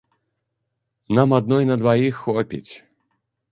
Нам адной на дваіх хопіць.